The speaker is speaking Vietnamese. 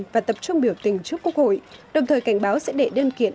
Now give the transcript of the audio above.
và tập trung biểu tình trước quốc hội đồng thời cảnh báo sẽ đệ đơn kiện